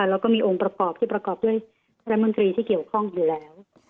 เราก็มีองค์ประปอบที่ประกอบด้วยเวลาแบบพาแมงมิวนสรีที่เกี่ยวข้องอยู่แล้ว